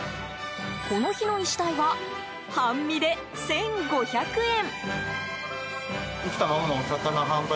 この日のイシダイは半身で１５００円。